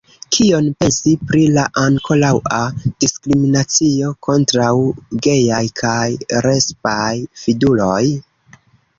Kion pensi pri la ankoraŭa diskriminacio kontraŭ gejaj kaj lesbaj fiduloj?